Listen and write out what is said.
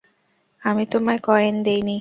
আমি তোমায় কয়েন দেইনি।